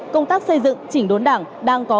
công tác xây dựng chỉnh đốn đảng đang có